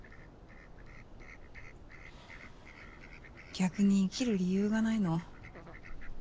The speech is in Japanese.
逆に生きる理由がないの。